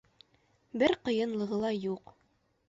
Бер ҡыйынлығы ла юҡ.